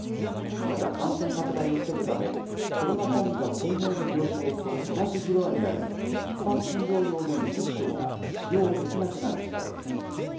ただ、感染拡大を防ぐため、コロナ患者専用の病床と同じフロアにある一般診療用の２０床が使用できなくなる事態に。